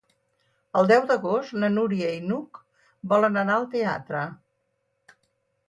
El deu d'agost na Núria i n'Hug volen anar al teatre.